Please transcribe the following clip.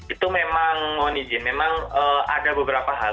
itu memang mohon izin memang ada beberapa hal